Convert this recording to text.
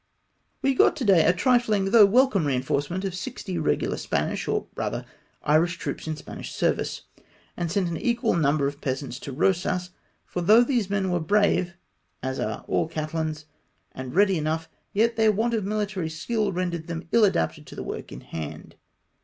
We got to day a trifling though welcome reinforce ment of sixty regular Spanish, or rather Irish troops in the Spanish service, and sent an equal number of peasants to Eosas ; for though these men were brave, as are all Catalans, and ready enough, yet their want of military skill rendered them ill adapted to the work in hand.